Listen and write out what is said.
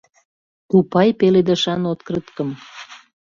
Тупай пеледышан открыткым.